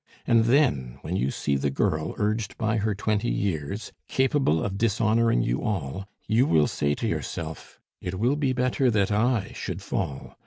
"And then, when you see the girl, urged by her twenty years, capable of dishonoring you all, you will say to yourself, 'It will be better that I should fall!